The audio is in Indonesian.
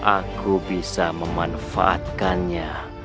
aku bisa memanfaatkannya